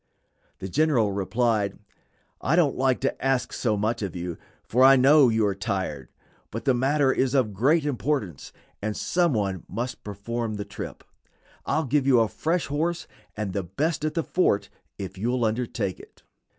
The general replied: "I don't like to ask so much of you, for I know you are tired; but the matter is of great importance and some one must perform the trip. I'll give you a fresh horse, and the best at the fort, if you'll undertake it."